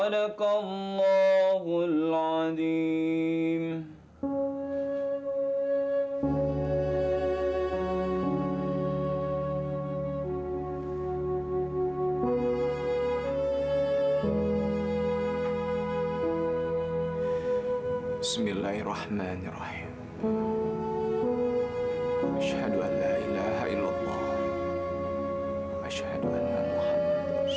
sampai jumpa di video selanjutnya